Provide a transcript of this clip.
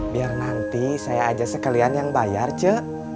biar nanti saya ajak sekalian yang bayar cek